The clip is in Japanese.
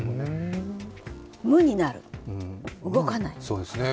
無になる、動かない。